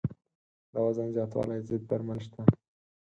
د وزن زیاتوالي ضد درمل شته.